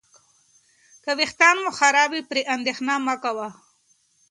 که ویښتان مو خراب وي، پرې اندېښنه مه کوه.